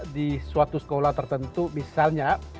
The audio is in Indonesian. di suatu sekolah tertentu misalnya